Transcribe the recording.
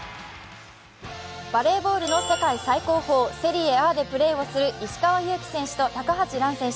バレーボールの世界最高峰セリエＡでプレーする石川祐希選手と高橋藍選手。